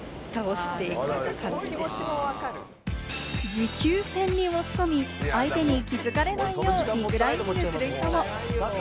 持久戦に持ち込み、相手に気づかれないよう、リクライニングする人も。